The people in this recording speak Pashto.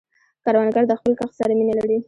کروندګر د خپل کښت سره مینه لري